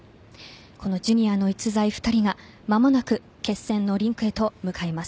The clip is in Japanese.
このジュニアの逸材２人が間もなく決戦のリンクへと向かいます。